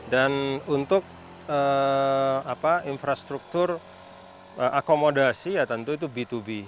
dan untuk infrastruktur akomodasi ya tentu itu b dua b